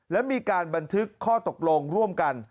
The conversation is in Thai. และมีการบันทึกข้อตกลงร่วมกัน